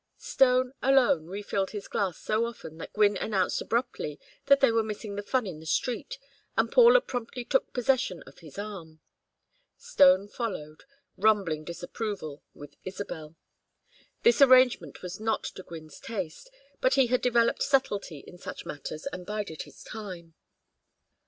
Stone, alone, refilled his glass so often that Gwynne announced abruptly that they were missing the fun in the street, and Paula promptly took possession of his arm. Stone followed, rumbling disapproval, with Isabel. This arrangement was not to Gwynne's taste, but he had developed subtlety in such matters and bided his time.